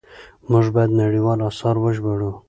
موږ بايد نړيوال آثار وژباړو.